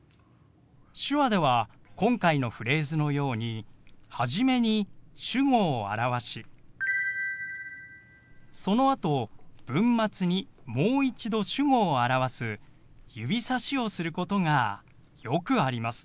手話では今回のフレーズのように始めに主語を表しそのあと文末にもう一度主語を表す指さしをすることがよくあります。